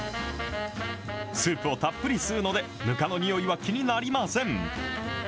スープをたっぷり吸うので、ぬかのにおいは気になりません。